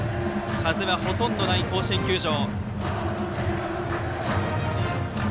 風はほとんどない甲子園球場。